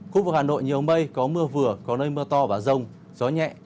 khu vực hà nội nhiều mây có mưa vừa có nơi mưa to và rông gió nhẹ